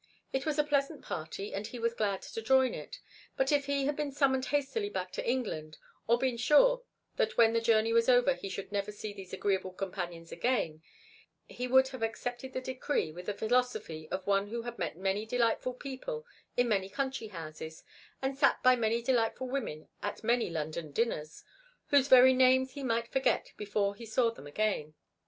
It was a pleasant party and he was glad to join it, but if he had been summoned hastily back to England, or been sure that when the journey was over he should never see these agreeable companions again, he would have accepted the decree with the philosophy of one who had met many delightful people in many country houses and sat by many delightful women at many London dinners, whose very names he might forget before he saw them again.